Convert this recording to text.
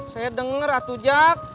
saya denger atu jack